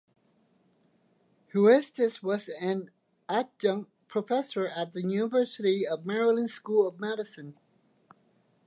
Huestis was an adjunct professor at the University of Maryland School of Medicine.